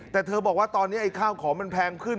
แต่เธอบอกว่าตอนนี้ไอ้ข้าวของมันแพงขึ้น